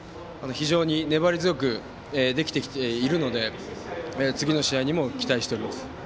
非常に粘り強くできてきているので次の試合にも期待しております。